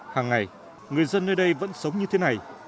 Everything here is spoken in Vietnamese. sống như thế này